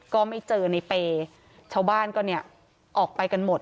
ก็ไม่เจอในเปย์ชาวบ้านก็เนี่ยออกไปกันหมด